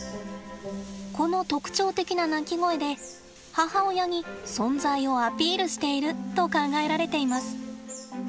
この特徴的な鳴き声で母親に存在をアピールしていると考えられています。